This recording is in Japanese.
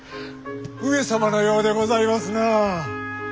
上様のようでございますなあ。